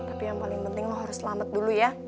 tapi yang paling penting lo harus selamat dulu ya